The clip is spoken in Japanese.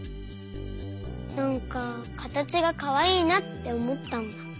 なんかかたちがかわいいなっておもったんだ。